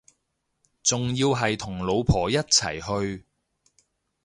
仲要係同老婆一齊去